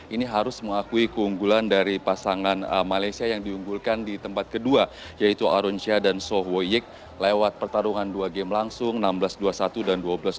ini harus mengakui keunggulan dari pasangan malaysia yang diunggulkan di tempat kedua yaitu aronsha dan soh woyik lewat pertarungan dua game langsung enam belas dua puluh satu dan dua belas dua puluh